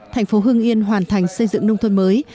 thành phố hưng yên hoàn thành xây dựng nông thôn mới